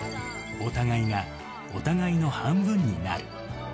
お互いがお互いの半分になる。